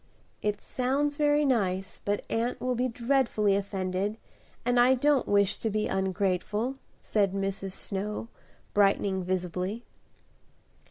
"It sounds very nice, but aunt will be dreadfully offended and I don't wish to be ungrateful," said Mrs. Snow, brightening visibly.